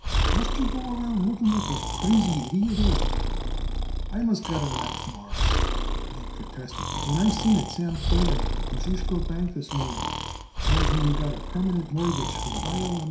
"Must you go around looking like a crazy idiot, Abe?" "I must got to laugh, Mawruss," Abe protested, "when I seen it Sam Feder, of the Kosciusko Bank, this morning, and he tells it me you got a permanent mortgage from the I.